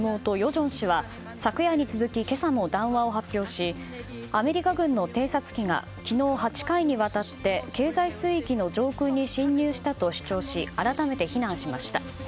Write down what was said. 正氏は昨夜に続き今朝も談話を発表しアメリカ軍の偵察機が昨日、８回にわたって経済水域の上空に侵入したと主張し改めて非難しました。